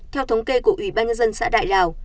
theo thống kê của ủy ban nhân dân xã đại lào